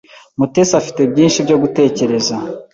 Mutesi afite byinshi byo gutekereza.